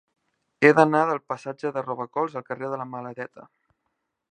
He d'anar del passatge de Robacols al carrer de la Maladeta.